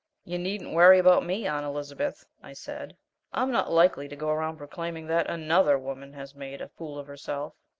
"You needn't worry about me, Aunt Elizabeth," I said. "I'm not likely to go around proclaiming that ANOTHER woman has made a fool of herself."